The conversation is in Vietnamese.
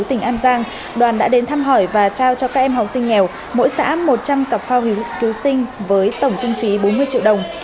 tỉnh an giang đoàn đã đến thăm hỏi và trao cho các em học sinh nghèo mỗi xã một trăm linh cặp phao cứu sinh với tổng kinh phí bốn mươi triệu đồng